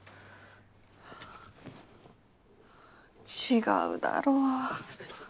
違うだろ。